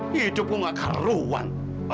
hidupmu gak karuan